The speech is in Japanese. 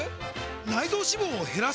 内臓脂肪を減らす！？